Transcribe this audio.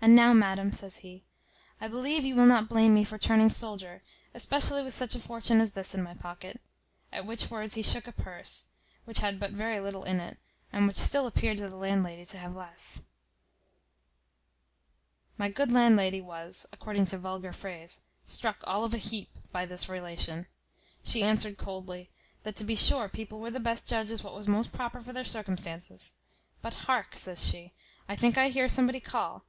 And now, madam," says he, "I believe you will not blame me for turning soldier, especially with such a fortune as this in my pocket." At which words he shook a purse, which had but very little in it, and which still appeared to the landlady to have less. My good landlady was (according to vulgar phrase) struck all of a heap by this relation. She answered coldly, "That to be sure people were the best judges what was most proper for their circumstances. But hark," says she, "I think I hear somebody call.